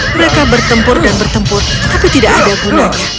mereka bertempur dan bertempur tapi tidak ada gunanya